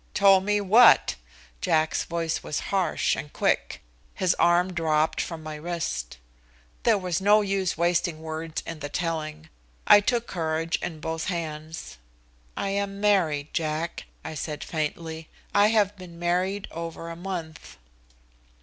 "Told me what?" Jack's voice was harsh and quick. His arm dropped from my wrist. There was no use wasting words in the telling. I took courage in both hands. "I am married, Jack," I said faintly. "I have been married over a month."